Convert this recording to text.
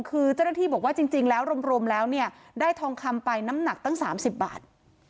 คือเจ้าหน้าที่บอกว่าจริงแล้วรวมแล้วเนี่ยได้ทองคำไปน้ำหนักตั้ง๓๐บาท